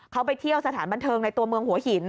เขาไปเที่ยวสถานบันเทิงในตัวเมืองหัวหิน